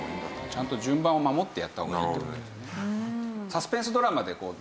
ちゃんと順番を守ってやった方がいいって事ですね。